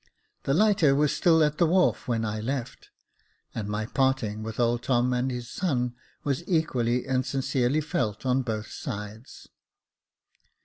The lighter was still at the wharf when I left, and my parting with old Tom and his son was equally and sin cerely felt on both sides.